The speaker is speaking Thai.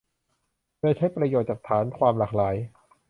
โดยใช้ประโยชน์จากฐานความหลากหลาย